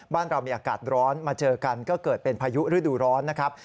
บ้านเรามีอากาศร้อนมาเจอกันก็เกิดเป็นพายุฤดูร้อนนะครับ